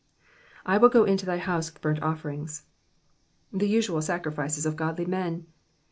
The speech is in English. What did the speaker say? ^^ I will go into thy house with burnt offerings ;^^ the usual sacri fices of godly men.